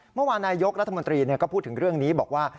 เมื่อวานนายกรัฐมนตรีก็พูดถึงเรื่องนี้บอกว่า